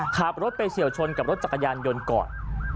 ขับรถไปเฉียวชนกับรถจักรยานยนต์ก่อน